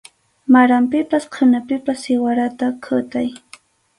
Maranpipas qhunapipas siwarata kutay.